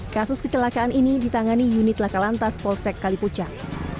kasus kecelakaan ini ditangani unit lakalan tas polsek kalipucang